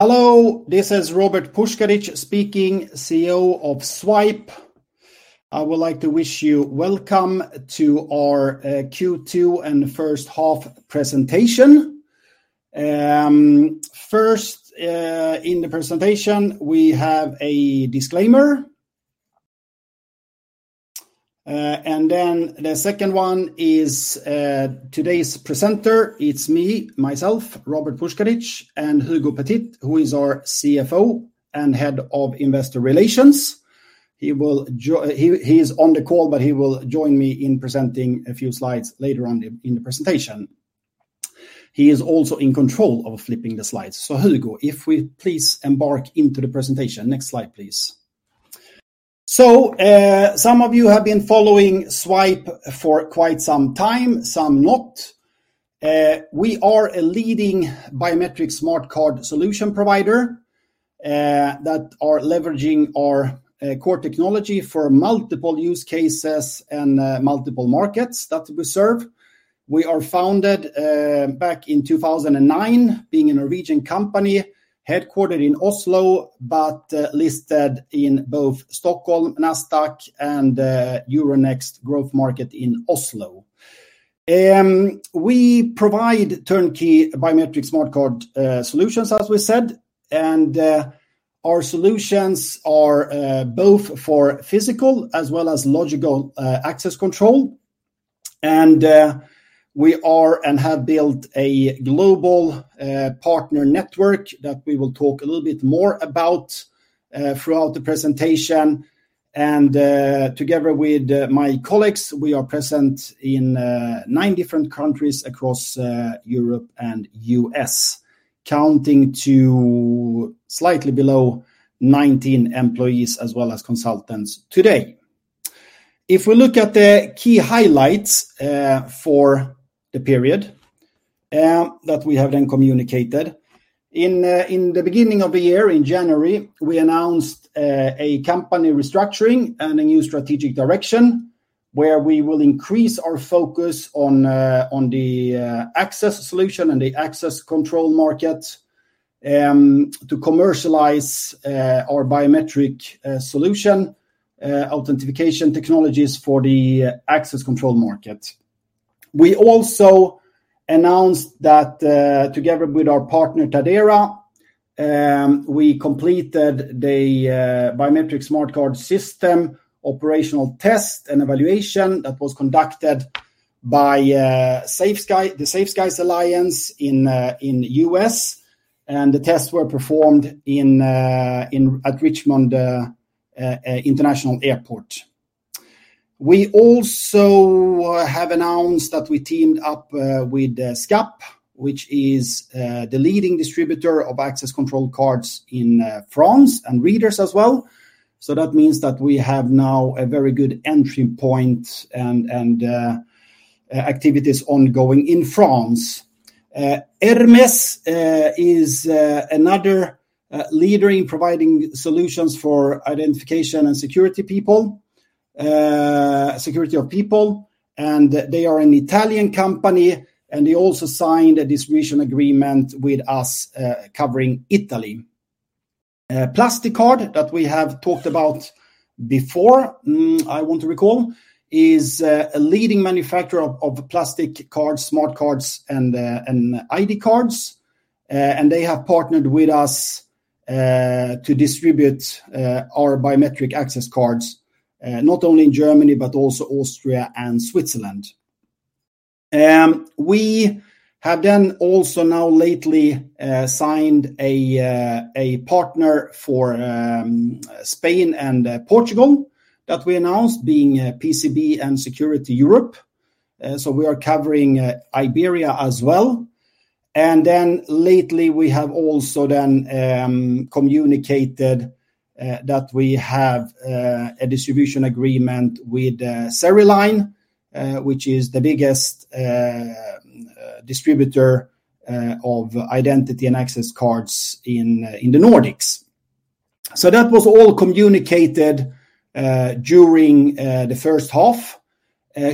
Hello, this is Robert Puskaric speaking, CEO of Zwipe. I would like to wish you welcome to our Q2 and first half presentation. First, in the presentation, we have a disclaimer, and then the second one is today's presenter. It's me, myself, Robert Puskaric, and Hugo Petit, who is our CFO and head of investor relations. He is on the call, but he will join me in presenting a few slides later on in the presentation. He is also in control of flipping the slides. So Hugo, if we please embark into the presentation. Next slide, please. So, some of you have been following Zwipe for quite some time, some not. We are a leading biometric smart card solution provider that are leveraging our core technology for multiple use cases and multiple markets that we serve. We are founded back in 2009, being a Norwegian company, headquartered in Oslo, but listed in both Nasdaq Stockholm and Euronext Growth Market in Oslo. We provide turnkey biometric smart card solutions, as we said, and our solutions are both for physical as well as logical access control. We are and have built a global partner network that we will talk a little bit more about throughout the presentation. Together with my colleagues, we are present in nine different countries across Europe and U.S., counting to slightly below 19 employees as well as consultants today. If we look at the key highlights for the period that we have then communicated, in the beginning of the year, in January, we announced a company restructuring and a new strategic direction, where we will increase our focus on the access solution and the access control market to commercialize our biometric solution authentication technologies for the access control market. We also announced that together with our partner, Tadera, we completed the biometric smart card system, operational test, and evaluation that was conducted by the Safe Skies Alliance in the U.S., and the tests were performed at Richmond International Airport. We also have announced that we teamed up with SCAP, which is the leading distributor of access control cards in France, and readers as well, so that means that we have now a very good entry point and activities ongoing in France. Ermes is another leader in providing solutions for identification and security of people, and they are an Italian company, and they also signed a distribution agreement with us covering Italy. Plasticard, that we have talked about before, I want to recall, is a leading manufacturer of plastic cards, smart cards, and ID cards, and they have partnered with us to distribute our biometric access cards not only in Germany, but also Austria and Switzerland. We have then also now lately signed a partner for Spain and Portugal that we announced, being PCB & Security Europe, so we are covering Iberia as well. And then lately, we have also then communicated that we have a distribution agreement with Seriline, which is the biggest distributor of identity and access cards in the Nordics. So that was all communicated during the first half.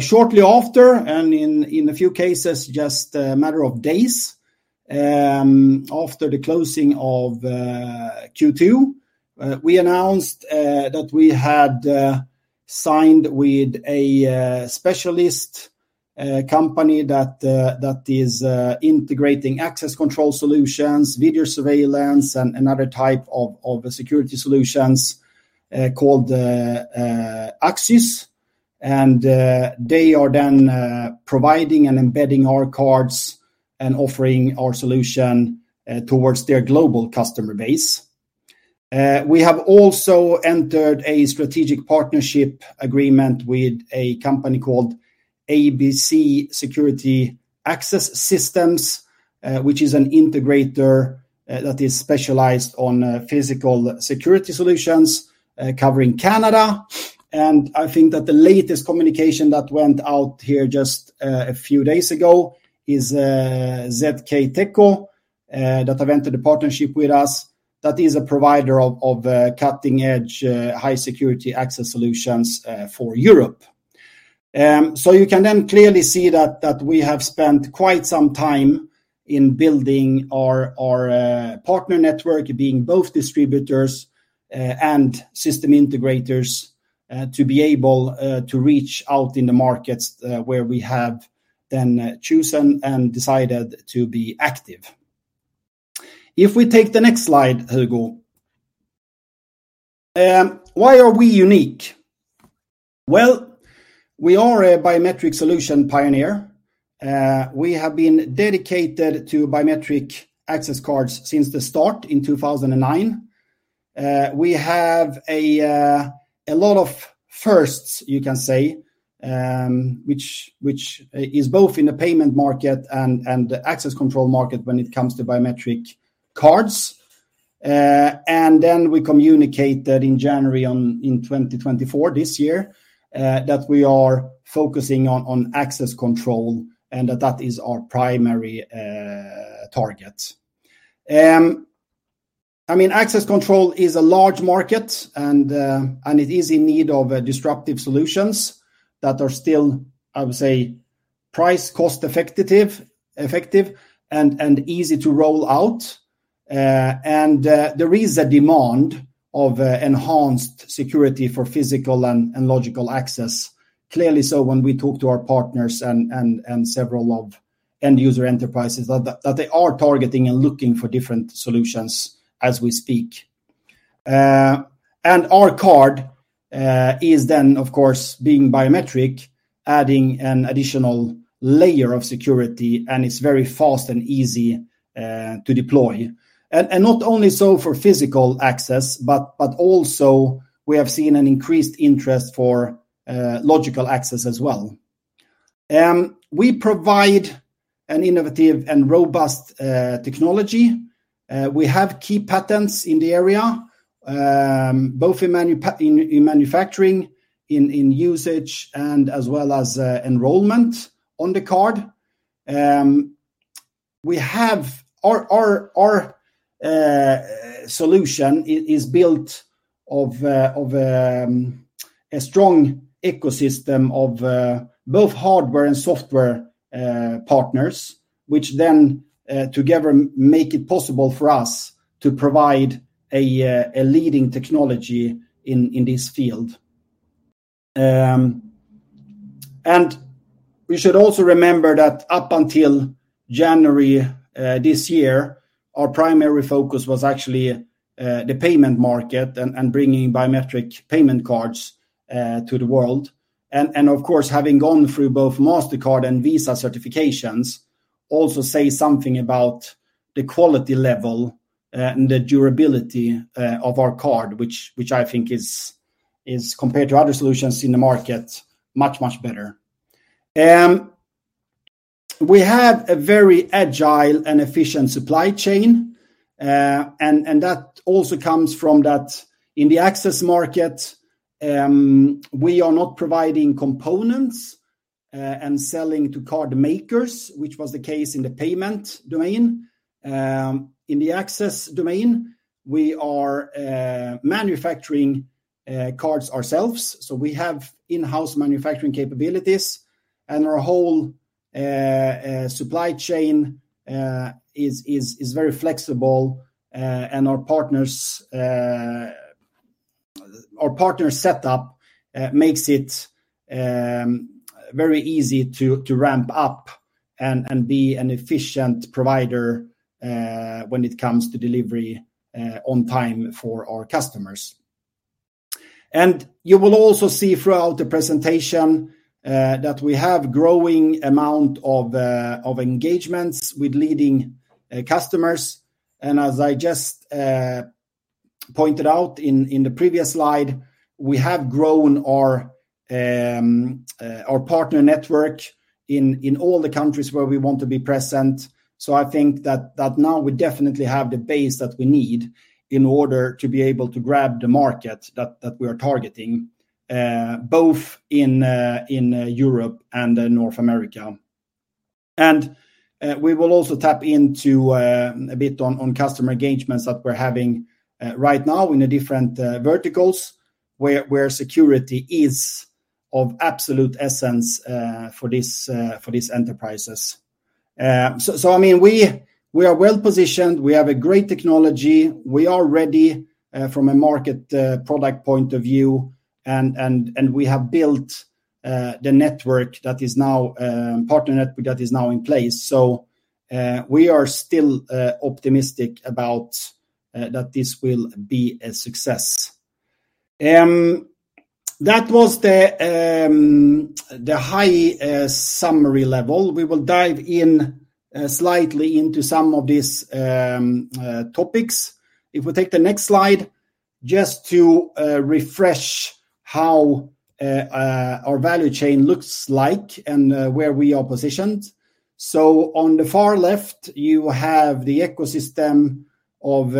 Shortly after, and in a few cases, just a matter of days, after the closing of Q2, we announced that we had signed with a specialist company that is integrating access control solutions, video surveillance, and another type of security solutions called ACIS. They are then providing and embedding our cards and offering our solution towards their global customer base. We have also entered a strategic partnership agreement with a company called ABC Security Access Systems, which is an integrator that is specialized on physical security solutions covering Canada. I think that the latest communication that went out here just a few days ago is ZKTeco that have entered a partnership with us, that is a provider of cutting-edge high-security access solutions for Europe. You can then clearly see that we have spent quite some time in building our partner network, being both distributors and system integrators to be able to reach out in the markets where we have then chosen and decided to be active. If we take the next slide, Hugo. Why are we unique? We are a biometric solution pioneer. We have been dedicated to biometric access cards since the start in 2009. We have a lot of firsts, you can say, which is both in the payment market and the access control market when it comes to biometric cards, and then we communicate that in January in 2024, this year, that we are focusing on access control, and that that is our primary target. I mean, access control is a large market, and it is in need of disruptive solutions that are still, I would say, price cost effective, and easy to roll out. There is a demand of enhanced security for physical and logical access. Clearly, so when we talk to our partners and several of end user enterprises, that they are targeting and looking for different solutions as we speak. Our card is then, of course, being biometric, adding an additional layer of security, and it's very fast and easy to deploy. Not only so for physical access, but also we have seen an increased interest for logical access as well. We provide an innovative and robust technology. We have key patents in the area, both in manufacturing, in usage, and as well as enrollment on the card. We have our solution is built of a strong ecosystem of both hardware and software partners, which then together make it possible for us to provide a leading technology in this field. And we should also remember that up until January this year, our primary focus was actually the payment market and bringing biometric payment cards to the world. And of course, having gone through both Mastercard and Visa certifications also say something about the quality level and the durability of our card, which I think is compared to other solutions in the market, much better. We have a very agile and efficient supply chain, and that also comes from that in the access market. We are not providing components and selling to card makers, which was the case in the payment domain. In the access domain, we are manufacturing cards ourselves, so we have in-house manufacturing capabilities, and our whole supply chain is very flexible, and our partner setup makes it very easy to ramp up and be an efficient provider when it comes to delivery on time for our customers, and you will also see throughout the presentation that we have growing amount of engagements with leading customers. And as I just pointed out in the previous slide, we have grown our partner network in all the countries where we want to be present. So I think that now we definitely have the base that we need in order to be able to grab the market that we are targeting, both in Europe and in North America. And we will also tap into a bit on customer engagements that we're having right now in the different verticals, where security is of absolute essence for these enterprises. So I mean, we are well positioned. We have a great technology. We are ready from a market product point of view, and we have built the partner network that is now in place. We are still optimistic about that this will be a success. That was the high-level summary. We will dive in slightly into some of these topics. If we take the next slide, just to refresh how our value chain looks like and where we are positioned. So on the far left, you have the ecosystem of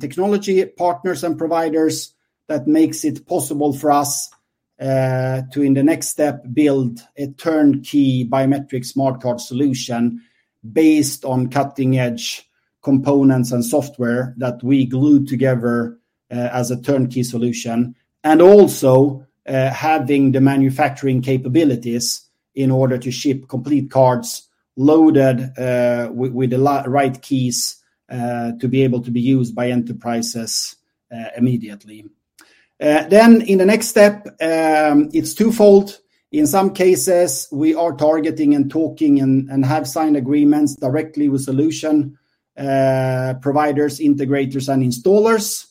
technology partners and providers that makes it possible for us to, in the next step, build a turnkey biometric smart card solution based on cutting-edge components and software that we glue together as a turnkey solution, and also having the manufacturing capabilities in order to ship complete cards loaded with the right keys to be able to be used by enterprises immediately. Then in the next step, it's twofold. In some cases, we are targeting and talking and have signed agreements directly with solution providers, integrators, and installers.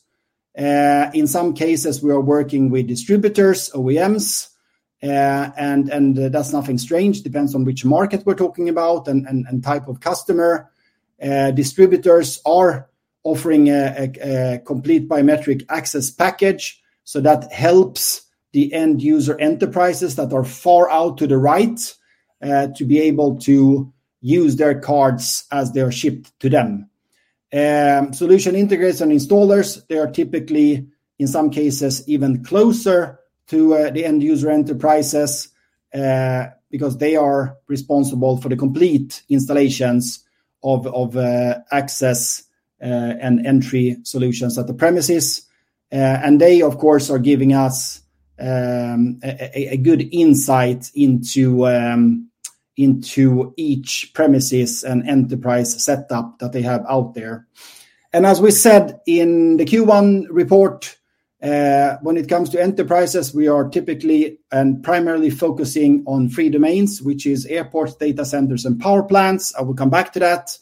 In some cases, we are working with distributors, OEMs, and that's nothing strange, depends on which market we're talking about and type of customer. Distributors are offering a complete biometric access package, so that helps the end user enterprises that are far out to the right to be able to use their cards as they are shipped to them. Solution integrators and installers, they are typically, in some cases, even closer to the end user enterprises, because they are responsible for the complete installations of access and entry solutions at the premises. They, of course, are giving us a good insight into each premises and enterprise setup that they have out there. As we said in the Q1 report, when it comes to enterprises, we are typically and primarily focusing on three domains, which is airports, data centers, and power plants. I will come back to that.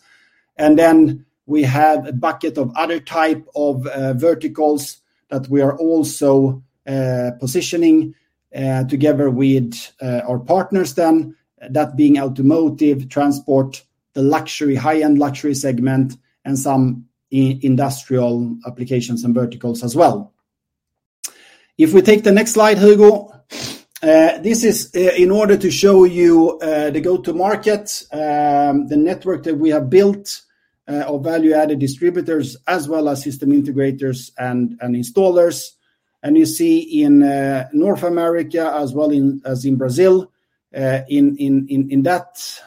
Then we have a bucket of other type of verticals that we are also positioning together with our partners, that being automotive, transport, the luxury, high-end luxury segment, and some industrial applications and verticals as well. If we take the next slide, Hugo, this is in order to show you the go-to-market, the network that we have built, our value-added distributors, as well as system integrators and installers. And you see in North America, as well as in Brazil, in that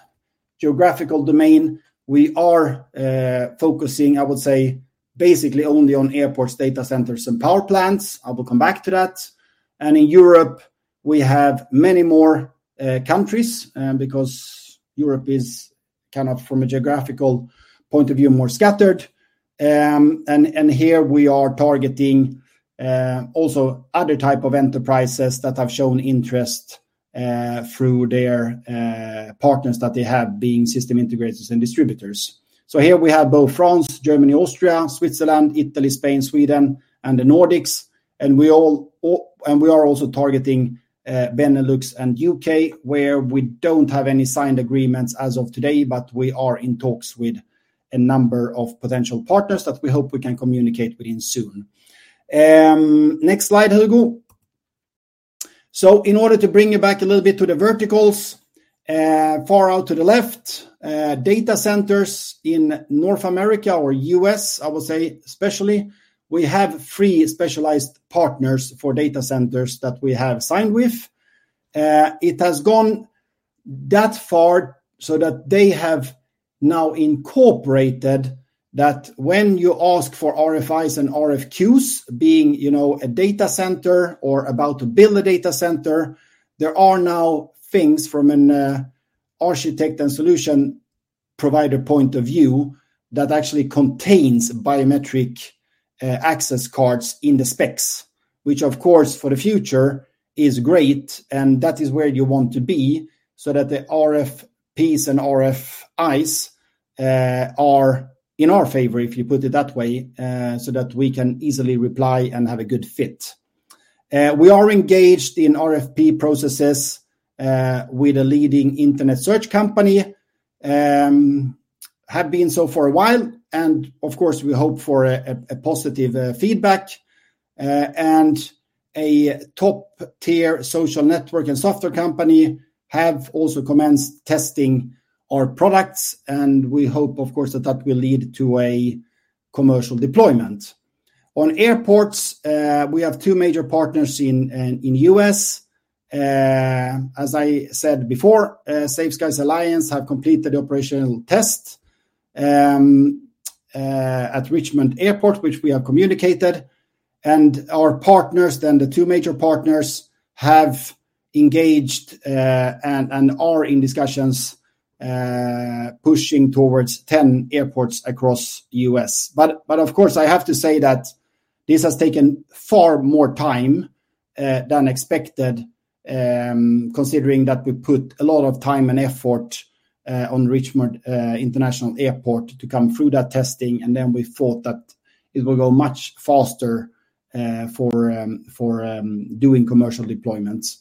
geographical domain, we are focusing, I would say, basically only on airports, data centers, and power plants. I will come back to that. And in Europe, we have many more countries, because Europe is kind of, from a geographical point of view, more scattered. And here we are targeting also other type of enterprises that have shown interest through their partners that they have, being system integrators and distributors. So here we have both France, Germany, Austria, Switzerland, Italy, Spain, Sweden, and the Nordics, and we are also targeting Benelux and U.K., where we don't have any signed agreements as of today, but we are in talks with a number of potential partners that we hope we can communicate with them soon. Next slide, Hugo. So in order to bring you back a little bit to the verticals, far out to the left, data centers in North America or U.S., I would say especially, we have three specialized partners for data centers that we have signed with. It has gone that far, so that they have now incorporated that when you ask for RFIs and RFQs, being, you know, a data center or about to build a data center, there are now things from an architect and solution provider point of view that actually contains biometric access cards in the specs, which, of course, for the future, is great, and that is where you want to be, so that the RFPs and RFIs are in our favor, if you put it that way, so that we can easily reply and have a good fit. We are engaged in RFP processes with a leading internet search company, have been so for a while, and of course, we hope for a positive feedback. And a top-tier social network and software company have also commenced testing our products, and we hope, of course, that that will lead to a commercial deployment. On airports, we have two major partners in U.S. As I said before, Safe Skies Alliance have completed operational tests at Richmond International Airport, which we have communicated, and our partners, then the two major partners, have engaged and are in discussions pushing towards 10 airports across U.S. But of course, I have to say that this has taken far more time than expected, considering that we put a lot of time and effort on Richmond International Airport to come through that testing, and then we thought that it would go much faster for doing commercial deployments.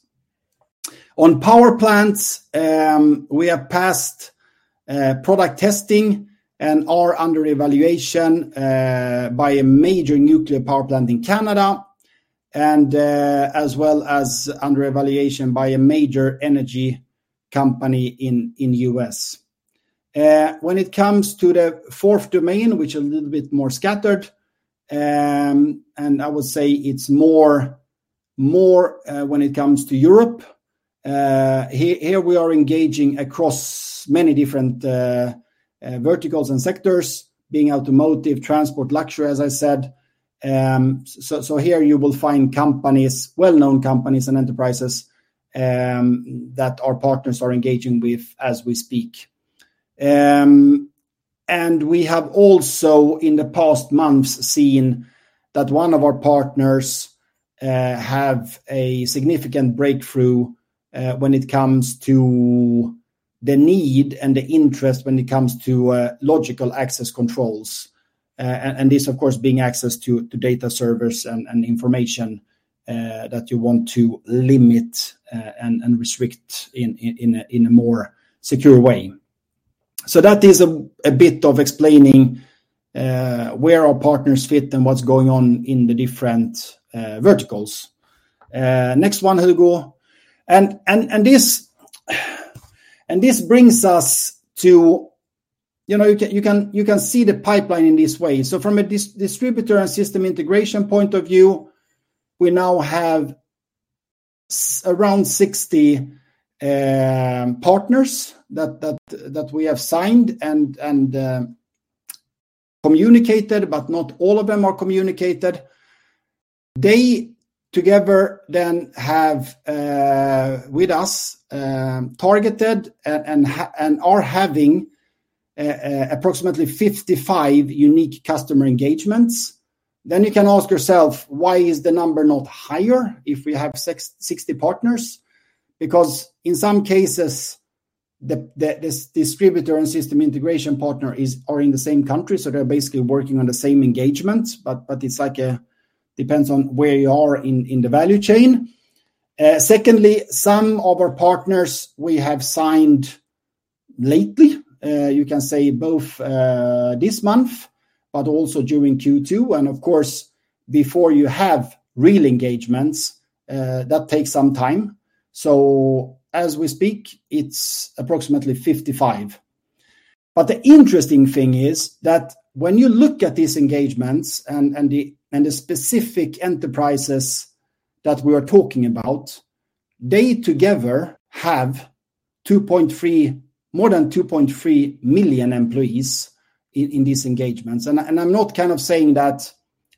On power plants, we have passed product testing and are under evaluation by a major nuclear power plant in Canada and, as well as under evaluation by a major energy company in U.S. When it comes to the fourth domain, which is a little bit more scattered, and I would say it's more when it comes to Europe. Here we are engaging across many different verticals and sectors, being automotive, transport, luxury, as I said. So here you will find companies, well-known companies and enterprises, that our partners are engaging with as we speak. And we have also, in the past months, seen that one of our partners have a significant breakthrough when it comes to the need and the interest when it comes to logical access controls. This, of course, being access to data servers and information that you want to limit and restrict in a more secure way. So that is a bit of explaining where our partners fit and what's going on in the different verticals. Next one, Hugo. This brings us to... You know, you can see the pipeline in this way. So from a distributor and system integration point of view, we now have around 60 partners that we have signed and communicated, but not all of them are communicated. They together then have with us targeted and are having approximately 55 unique customer engagements. Then you can ask yourself, "Why is the number not higher if we have 60 partners?" Because in some cases, the distributor and system integration partner is in the same country, so they're basically working on the same engagement, but it's like depends on where you are in the value chain. Secondly, some of our partners we have signed lately, you can say both this month, but also during Q2, and of course, before you have real engagements, that takes some time. So as we speak, it's approximately 55. But the interesting thing is that when you look at these engagements and the specific enterprises that we are talking about, they together have more than 2.3 million employees in these engagements. I'm not kind of saying that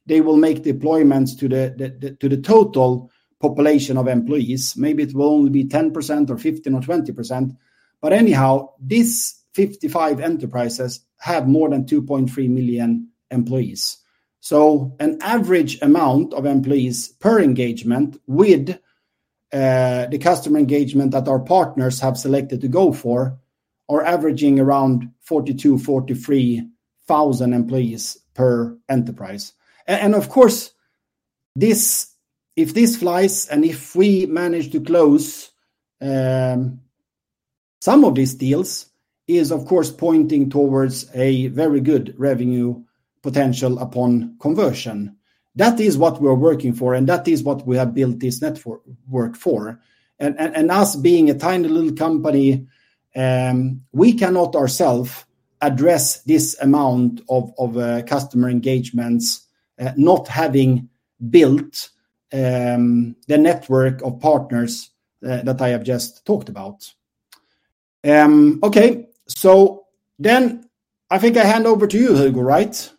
they will make deployments to the total population of employees. Maybe it will only be 10% or 15% or 20%, but anyhow, these 55 enterprises have more than 2.3 million employees. So an average amount of employees per engagement with the customer engagement that our partners have selected to go for are averaging around 42,000-43,000 employees per enterprise. And of course, if this flies, and if we manage to close some of these deals, is of course pointing towards a very good revenue potential upon conversion. That is what we are working for, and that is what we have built this network for. Us being a tiny little company, we cannot ourselves address this amount of customer engagements, not having built the network of partners that I have just talked about. Okay, so then I think I hand over to you, Hugo, right?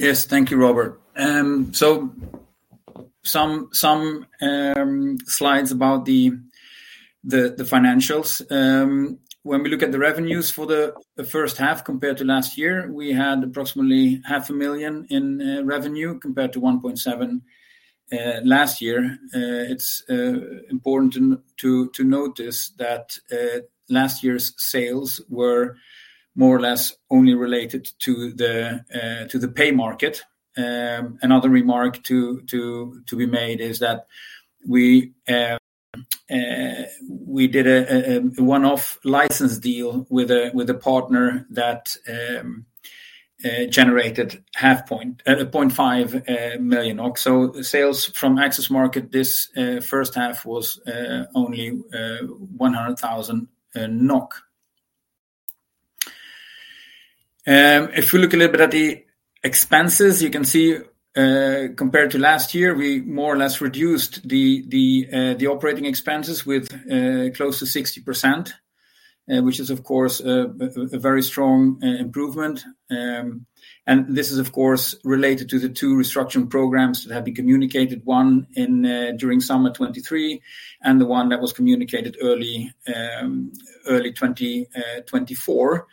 Yes. Thank you, Robert. So some slides about the financials. When we look at the revenues for the first half compared to last year, we had approximately 500,000 in revenue, compared to 1.7 million last year. It's important to notice that last year's sales were more or less only related to the pay market. Another remark to be made is that we did a one-off license deal with a partner that generated 0.5 million. So sales from access market, this first half was only 100,000 NOK. If you look a little bit at the expenses, you can see, compared to last year, we more or less reduced the operating expenses with close to 60%, which is, of course, a very strong improvement. This is, of course, related to the two restructuring programs that have been communicated, one in during summer 2023, and the one that was communicated early 2024.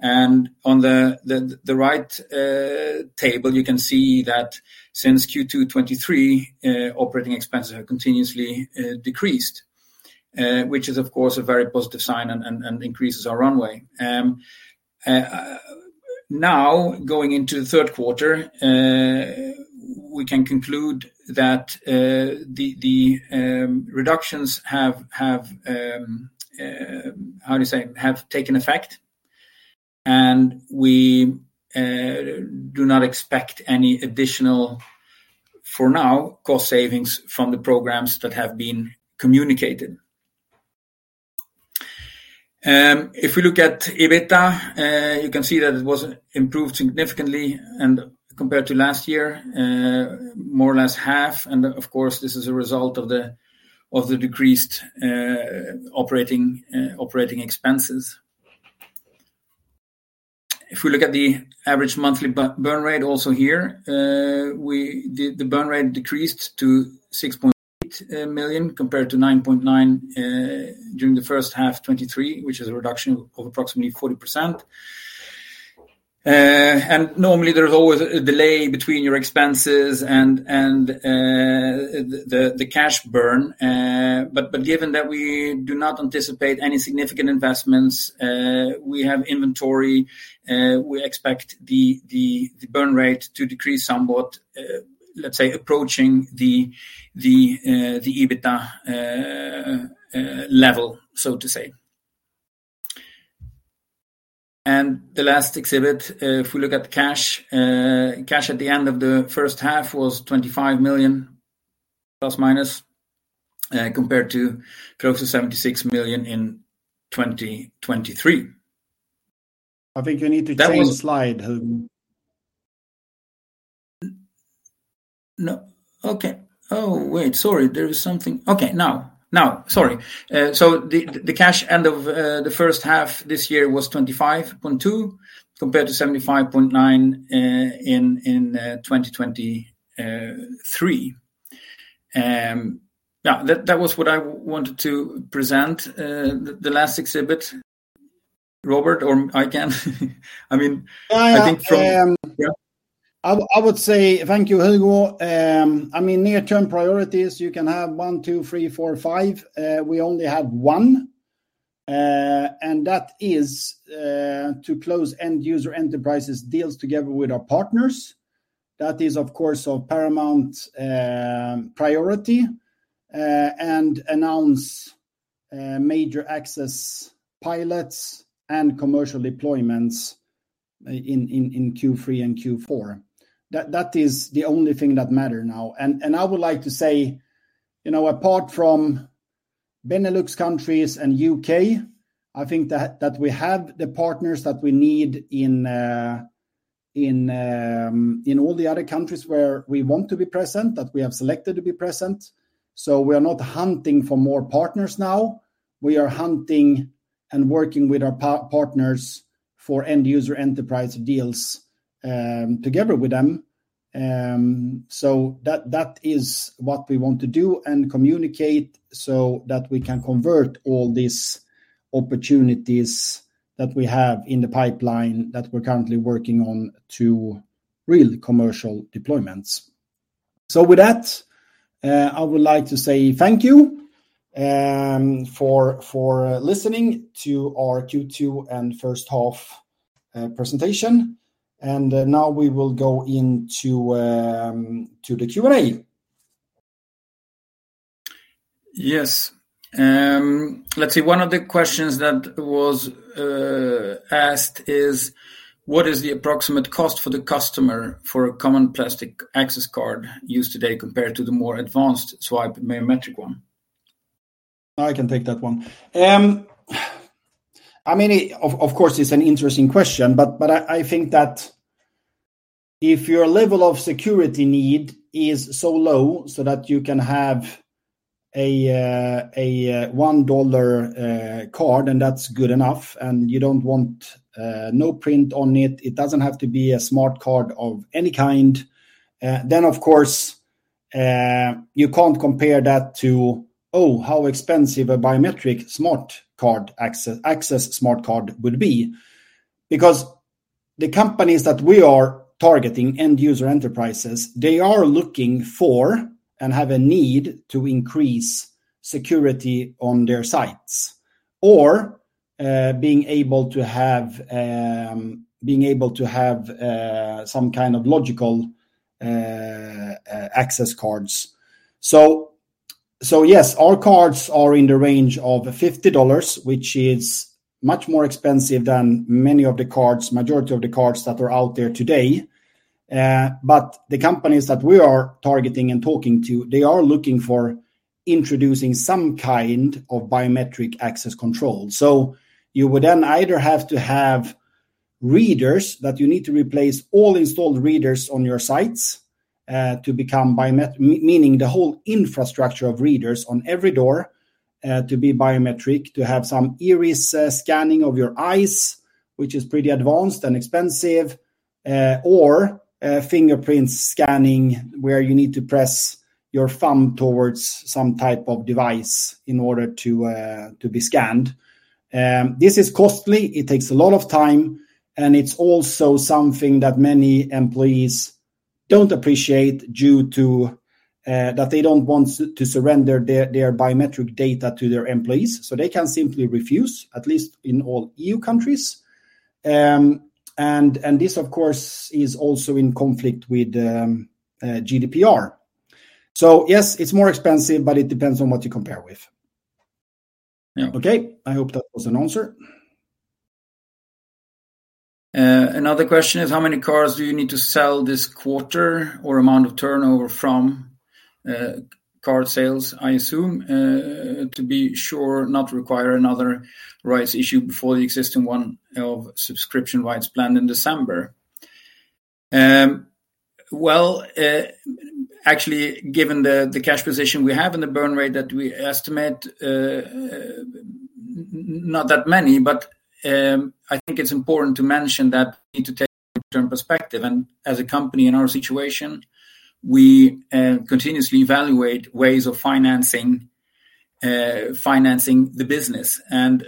On the right table, you can see that since Q2 2023, operating expenses have continuously decreased, which is, of course, a very positive sign and increases our runway. Now, going into the third quarter, we can conclude that the reductions have how do you say? Have taken effect, and we do not expect any additional, for now, cost savings from the programs that have been communicated. If we look at EBITDA, you can see that it was improved significantly, and compared to last year, more or less half. And of course, this is a result of the decreased operating expenses. If we look at the average monthly burn rate also here, the burn rate decreased to 6.8 million, compared to 9.9 million during the first half 2023, which is a reduction of approximately 40%. And normally there's always a delay between your expenses and the cash burn. But given that we do not anticipate any significant investments, we have inventory. We expect the burn rate to decrease somewhat, let's say approaching the EBITDA level, so to say. And the last exhibit, if we look at cash at the end of the first half was 25 million± compared to close to 76 million in 2023. I think you need to change- That was- Slide, Hugo. So the cash at the end of the first half this year was 25.2, compared to 75.9 in 2023. Yeah, that was what I wanted to present. The last exhibit, Robert, or I can. I mean, I think from- I, um- Yeah. I would say thank you, Hugo. I mean, near-term priorities, you can have one, two, three, four, five. We only have one, and that is to close end user enterprises deals together with our partners. That is, of course, our paramount priority, and announce major access pilots and commercial deployments in Q3 and Q4. That is the only thing that matter now. I would like to say, you know, apart from Benelux countries and U.K., I think that we have the partners that we need in all the other countries where we want to be present, that we have selected to be present. So we are not hunting for more partners now. We are hunting and working with our partners for end-user enterprise deals, together with them. So that is what we want to do and communicate, so that we can convert all these opportunities that we have in the pipeline that we're currently working on, to real commercial deployments. So with that, I would like to say thank you for listening to our Q2 and first half presentation. And now we will go into the Q&A. Yes. Let's see. One of the questions that was asked is: What is the approximate cost for the customer for a common plastic access card used today compared to the more advanced Zwipe biometric one? I can take that one. I mean, of course, it's an interesting question, but I think that if your level of security need is so low that you can have a $1 card, and that's good enough, and you don't want no print on it, it doesn't have to be a smart card of any kind, then, of course, you can't compare that to, "Oh, how expensive a biometric smart card access smart card would be?" Because the companies that we are targeting, end-user enterprises, they are looking for and have a need to increase security on their sites, or being able to have some kind of logical access cards. Yes, our cards are in the range of $50, which is much more expensive than many of the cards, majority of the cards that are out there today, but the companies that we are targeting and talking to are looking for introducing some kind of biometric access control. You would then either have to have readers that you need to replace all installed readers on your sites to become biometric, meaning the whole infrastructure of readers on every door to be biometric, to have some iris scanning of your eyes, which is pretty advanced and expensive, or fingerprint scanning, where you need to press your thumb towards some type of device in order to be scanned. This is costly. It takes a lot of time, and it's also something that many employees don't appreciate due to that they don't want to surrender their biometric data to their employers. So they can simply refuse, at least in all EU countries, and this, of course, is also in conflict with GDPR. So yes, it's more expensive, but it depends on what you compare with. Yeah. Okay, I hope that was an answer. Another question is: how many cards do you need to sell this quarter or amount of turnover from card sales, I assume, to be sure not require another rights issue before the existing one of subscription rights planned in December? Well, actually, given the cash position we have and the burn rate that we estimate, not that many, but I think it's important to mention that we need to take long-term perspective, and as a company in our situation, we continuously evaluate ways of financing the business. And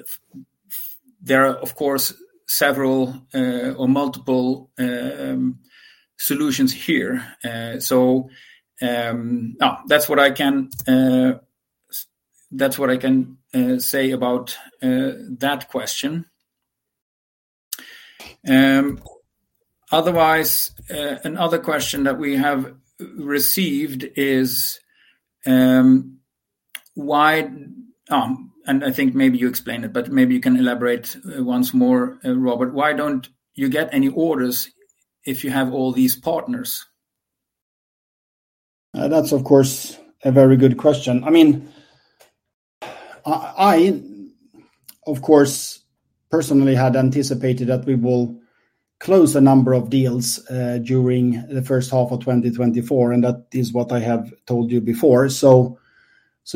there are, of course, several or multiple solutions here. So that's what I can say about that question. Otherwise, another question that we have received is, why. And I think maybe you explained it, but maybe you can elaborate once more, Robert, why don't you get any orders if you have all these partners? That's, of course, a very good question. I mean, I of course personally had anticipated that we will close a number of deals during the first half of twenty twenty-four, and that is what I have told you before. So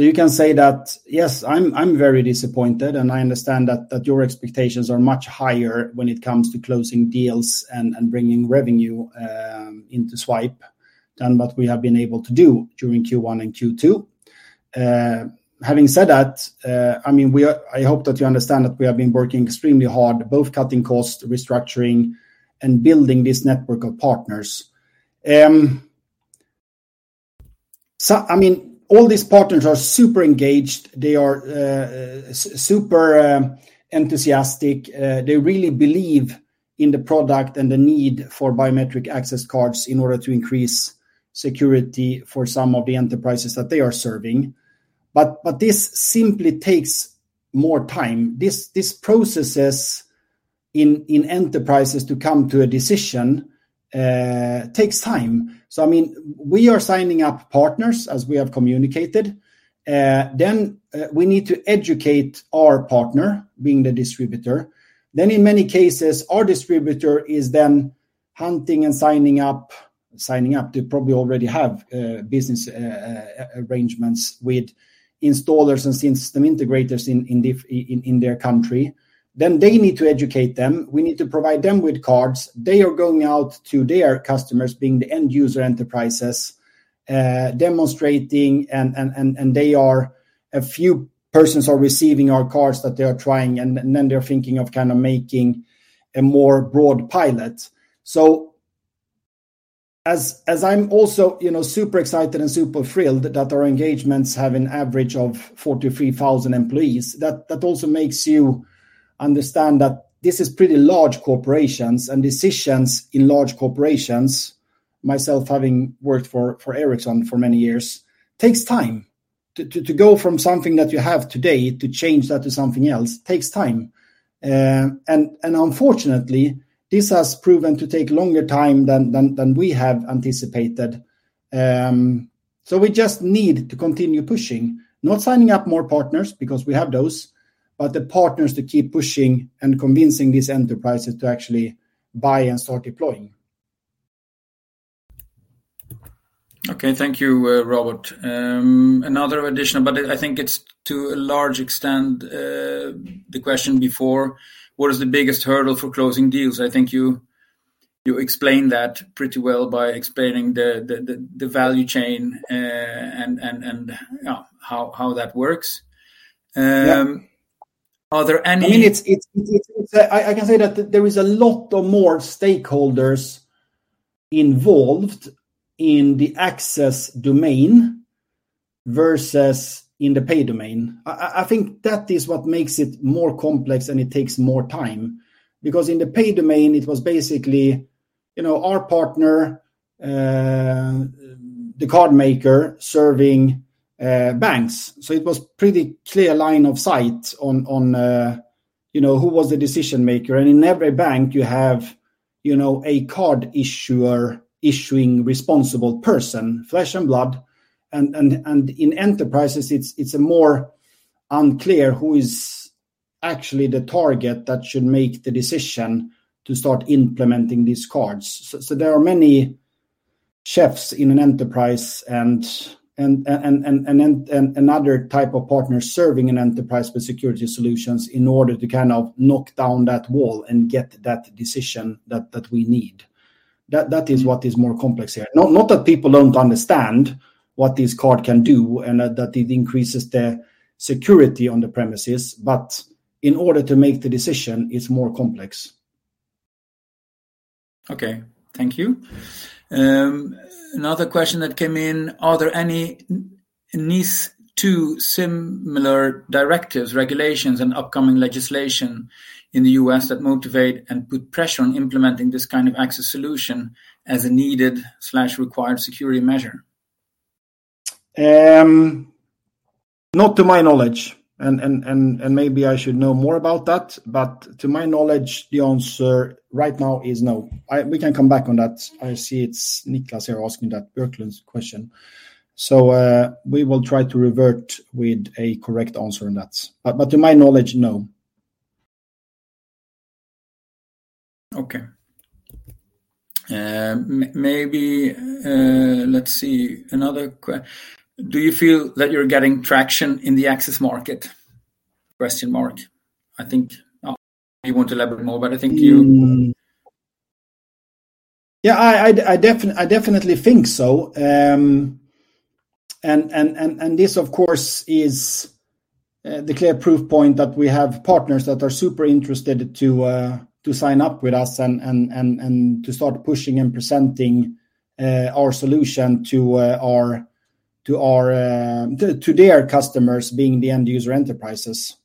you can say that, yes, I'm very disappointed, and I understand that your expectations are much higher when it comes to closing deals and bringing revenue into Zwipe than what we have been able to do during Q1 and Q2. Having said that, I mean, we are. I hope that you understand that we have been working extremely hard, both cutting costs, restructuring, and building this network of partners. So, I mean, all these partners are super engaged. They are super enthusiastic. They really believe in the product and the need for biometric access cards in order to increase security for some of the enterprises that they are serving, but this simply takes more time. Processes in enterprises to come to a decision takes time. So, I mean, we are signing up partners, as we have communicated, then we need to educate our partner, being the distributor. Then in many cases, our distributor is then hunting and signing up. They probably already have business arrangements with installers and system integrators in their country. Then they need to educate them. We need to provide them with cards. They are going out to their customers, being the end-user enterprises, demonstrating, and they are... A few persons are receiving our cards that they are trying, and then they're thinking of kind of making a more broad pilot, so as I'm also, you know, super excited and super thrilled that our engagements have an average of 43,000 employees, that also makes you understand that this is pretty large corporations, and decisions in large corporations, myself, having worked for Ericsson for many years, takes time to go from something that you have today, to change that to something else, takes time and unfortunately, this has proven to take longer time than we have anticipated, so we just need to continue pushing, not signing up more partners, because we have those, but the partners to keep pushing and convincing these enterprises to actually buy and start deploying. Okay. Thank you, Robert. Another additional, but I think it's to a large extent, the question before: What is the biggest hurdle for closing deals? I think you explained that pretty well by explaining the value chain, and how that works. Yep. Are there any- I mean, it's. I can say that there is a lot of more stakeholders involved in the access domain versus in the pay domain. I think that is what makes it more complex, and it takes more time. Because in the pay domain, it was basically, you know, our partner, the card maker, serving banks. So it was pretty clear line of sight on, you know, who was the decision maker. And in every bank, you have, you know, a card issuer, issuing responsible person, flesh and blood. And in enterprises, it's a more unclear who is actually the target that should make the decision to start implementing these cards. So, there are many chiefs in an enterprise and another type of partner serving an enterprise with security solutions in order to kind of knock down that wall and get that decision that we need. That is what is more complex here. Not that people don't understand what this card can do and that it increases their security on the premises, but in order to make the decision, it's more complex. Okay. Thank you. Another question that came in: Are there any NIST2 similar directives, regulations, and upcoming legislation in the U.S. that motivate and put pressure on implementing this kind of access solution as a needed/required security measure? Not to my knowledge, and maybe I should know more about that, but to my knowledge, the answer right now is no. I, we can come back on that. I see it's Niklas here asking that Birkeland's question. So, we will try to revert with a correct answer on that. But to my knowledge, no. Okay. Maybe, let's see, another question: "Do you feel that you're getting traction in the access market?" I think he want to elaborate more, but I think. Yeah, I definitely think so. This, of course, is the clear proof point that we have partners that are super interested to sign up with us and to start pushing and presenting our solution to their customers, being the end user enterprises.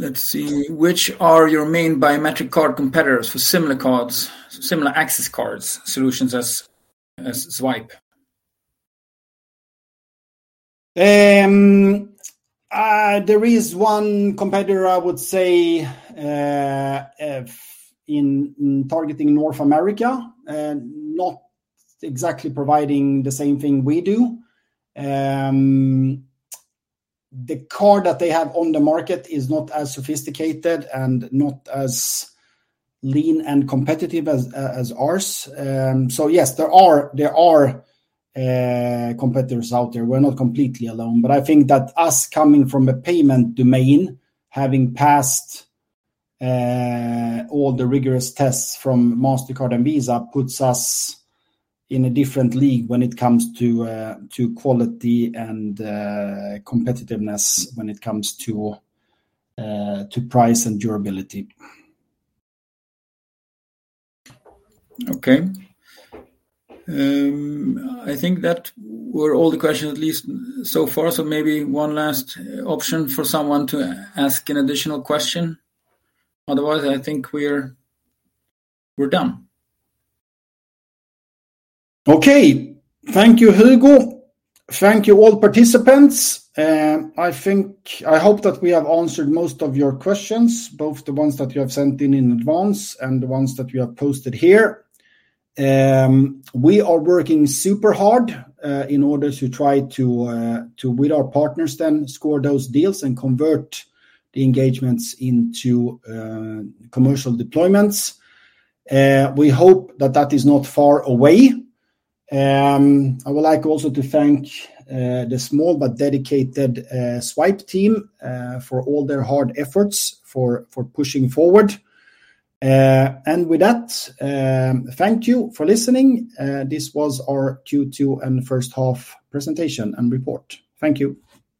Let's see. "Which are your main biometric card competitors for similar cards, similar access cards, solutions as Zwipe?" There is one competitor, I would say, in targeting North America, not exactly providing the same thing we do. The card that they have on the market is not as sophisticated and not as lean and competitive as ours. So yes, there are competitors out there. We're not completely alone, but I think that us coming from a payment domain, having passed all the rigorous tests from Mastercard and Visa, puts us in a different league when it comes to quality and competitiveness, when it comes to price and durability. Okay. I think that's all the questions, at least so far. So maybe one last option for someone to ask an additional question. Otherwise, I think we're done. Okay. Thank you, Hugo. Thank you, all participants. I think. I hope that we have answered most of your questions, both the ones that you have sent in in advance and the ones that you have posted here. We are working super hard, in order to try to with our partners then, score those deals and convert the engagements into commercial deployments. We hope that that is not far away. I would like also to thank the small but dedicated Zwipe team for all their hard efforts for pushing forward, and with that, thank you for listening. This was our Q2 and first half presentation and report. Thank you.